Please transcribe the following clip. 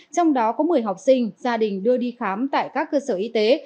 trong đó có một mươi học sinh gia đình đưa đi khám tại các cơ sở y tế